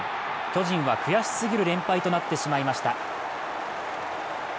巨人は悔しすぎる連敗となってしまいました。